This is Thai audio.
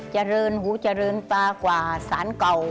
เจริญหูเจริญตากว่าสารเก่า